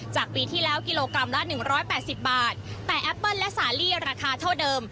จากปีที่แล้วกิโลกรัมละหนึ่งร้อยแปดสิบบาทแต่แอปเปิ้ลและสาลีราคาเท่าเดิม